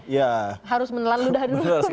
ya sampai harus menelan ludahan dulu